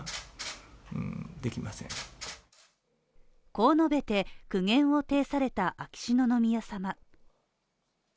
こう述べて苦言を呈された秋篠宮さま。